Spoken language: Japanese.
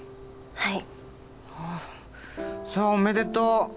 はい。